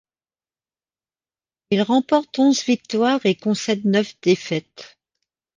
Il remporte onze victoires et concèdent neuf défaites.